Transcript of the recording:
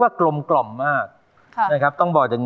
ตราบที่ทุกลมหายใจขึ้นหอดแต่ไอ้นั้น